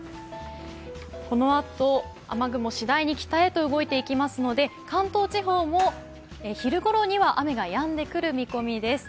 このあと雨雲、次第に北へと動いていきますので関東地方も昼ごろには雨がやんでくる見込みです。